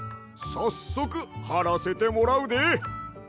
さっそくはらせてもらうで。